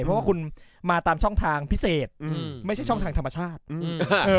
เพราะว่าคุณมาตามช่องทางพิเศษอืมไม่ใช่ช่องทางธรรมชาติอืมเออ